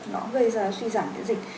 nó gây ra suy giảm miễn dịch